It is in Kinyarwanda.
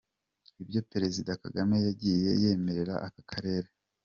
Ibyo Perezida Kagame yagiye yemererera aka karere.